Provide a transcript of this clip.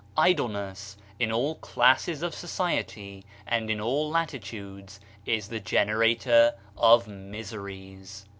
Idle ness, in all classes of society and in all latitudes, is the generator of miseries.